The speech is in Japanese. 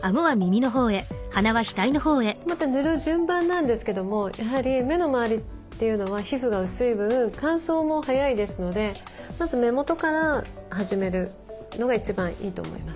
また塗る順番なんですけどもやはり目の周りというのは皮膚が薄い分乾燥も早いですのでまず目元から始めるのが一番いいと思います。